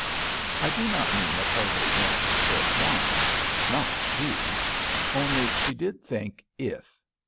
I do not mean that Huldah winced or whined. Not she. Only she did think "if."